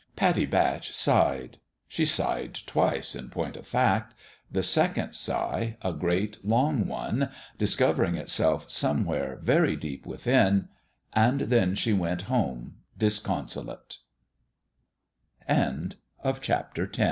Pattie Batch sighed : she sighed twice, in point of fact the second sigh, a great, long one, discovering itself somewhere very deep within and then she went home di